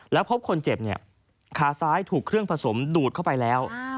แล้วพบคนเจ็บเนี่ยขาซ้ายถูกเครื่องผสมดูดเข้าไปแล้ว